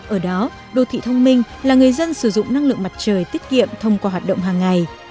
ở đó đô thị thông minh là người dân sử dụng năng lượng mặt trời tiết kiệm thông qua hoạt động hàng ngày